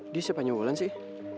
dia siapa aja wulan sih